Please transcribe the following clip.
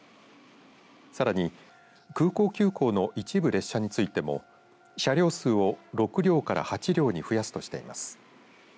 さらに空港急行の一部列車についても車両数を６両から８両に増やすとしています。